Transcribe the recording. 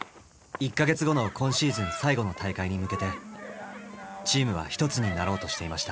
１か月後の今シーズン最後の大会に向けてチームはひとつになろうとしていました。